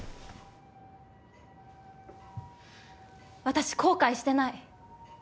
私後悔してない。